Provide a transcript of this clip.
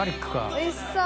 おいしそう！